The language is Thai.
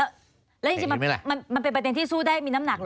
แล้วจริงมันเป็นประเด็นที่สู้ได้มีน้ำหนักเหรอ